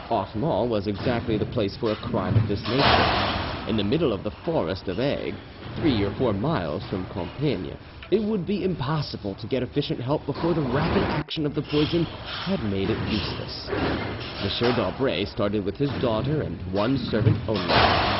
Offemont was exactly the place for a crime of this nature. In the middle of the forest of Aigue, three or four miles from Compiegne, it would be impossible to get efficient help before the rapid action of the poison had made it useless. M. d'Aubray started with his daughter and one servant only.